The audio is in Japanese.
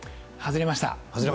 外れました。